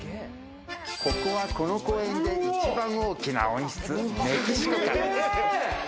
ここは、この公園で一番大きな温室・メキシコ館です。